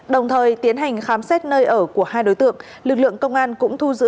đồng thời tiến hành khám xét nơi ở của hai đối tượng lực lượng công an cũng thu giữ